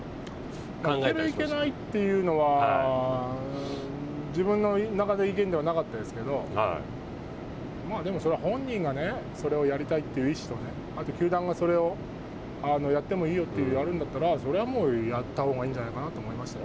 行ける行けないというのは自分の中で意見はなかったですけどそれは本人がそれをやりたいという意思と、あと球団が、それをやってもいいよとあるんだったらそれはもうやったほうがいいんじゃないかなと思いましたよ。